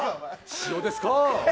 塩ですか。